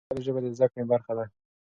ولې ژبه د زده کړې برخه ده؟